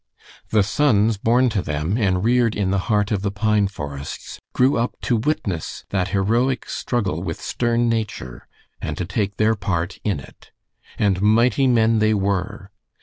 The sons born to them and reared in the heart of the pine forests grew up to witness that heroic struggle with stern nature and to take their part in it. And mighty men they were.